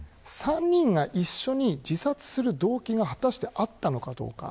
３人が一緒に自殺する動機が果たしてあったのか。